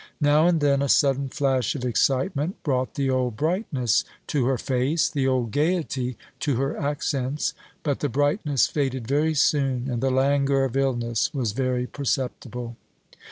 Now and then a sudden flash of excitement brought the old brightness to her face, the old gaiety to her accents; but the brightness faded very soon, and the languor of illness was very perceptible.